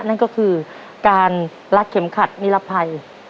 นั่นก็คือการลัดเข็มขัดนิรภัย